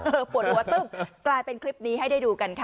ปวดหัวตึ๊บกลายเป็นคลิปนี้ให้ได้ดูกันค่ะ